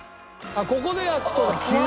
あっここでやっと。